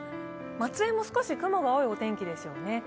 松江も少し雲が多いお天気でしょうね。